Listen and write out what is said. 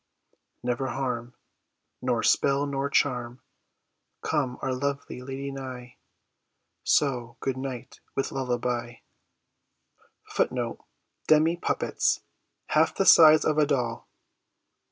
Never harm, Nor spell nor charm, Come our lovely lady nigh; So, good night, with lullaby. SHAKESPEARE. Demi puppets: half the size of a doll.